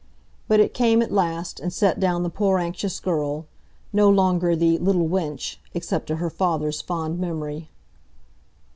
But it came at last, and set down the poor anxious girl, no longer the "little wench," except to her father's fond memory.